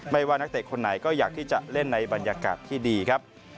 ว่านักเตะคนไหนก็อยากที่จะเล่นในบรรยากาศที่ดีครับ